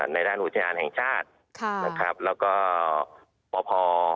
ในด้านอุจจิงารย์แห่งชาติแล้วก็พป